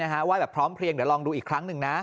ไหว้พร้อมเคลียงเดี๋ยวลองดูอีกครั้งนึง